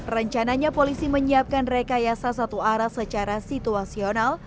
rencananya polisi menyiapkan rekayasa satu arah secara situasional